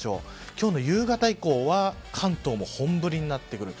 今日の夕方以降は関東も本降りになってくる。